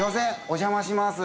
お邪魔します。